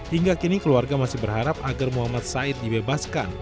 hingga kini keluarga masih berharap agar muhammad said dibebaskan